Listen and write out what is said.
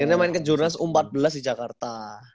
pokoknya main ke jurnas u empat belas di jakarta